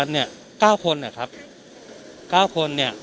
ที่เรียกว่าถูกเอ่อสิบสี่วันเนี้ยเก้าคนอ่ะครับเก้าคนเนี้ย